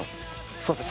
そうですね。